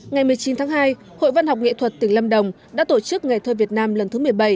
ngày một mươi chín tháng hai hội văn học nghệ thuật tỉnh lâm đồng đã tổ chức ngày thơ việt nam lần thứ một mươi bảy